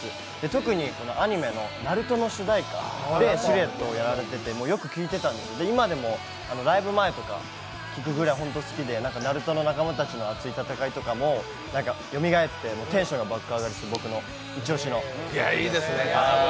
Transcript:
特にアニメ「ＮＡＲＵＴＯ」の主題歌をやられてて今でもライブ前とか聴くぐらい本当に好きで、「ＮＡＲＵＴＯ」の仲間たちの熱い戦いとかもよみがえってテンションが爆上がりするイチオシです。